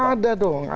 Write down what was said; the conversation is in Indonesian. ada ada dong